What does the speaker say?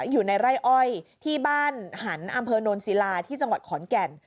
อยู่ในไร่อ้อยที่บ้านหันอำเภอโนนศิลาที่จังหวัดขอนแก่น